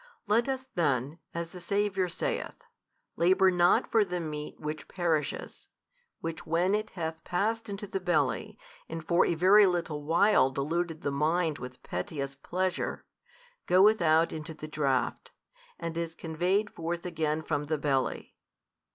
Let us then, as the Saviour saith, labour not for the meat which perisheth, which when it hath passed into the belly, and for a very little while deluded the mind with pettiest pleasure, goeth out into the draught, and is conveyed forth again from the belly.